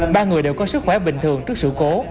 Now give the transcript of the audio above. ba người đều có sức khỏe bình thường trước sự cố